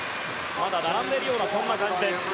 まだ並んでいるような感じです。